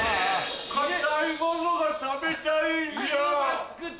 硬いものが食べたいんじゃ。